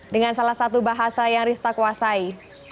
dengan salah satu bahasa yang rista kuasai